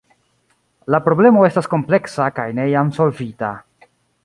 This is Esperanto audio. La problemo estas kompleksa kaj ne jam solvita.